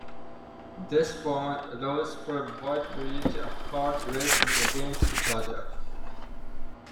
This format allows for a wide variety of cars racing against each other.